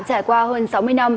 trải qua hơn sáu mươi năm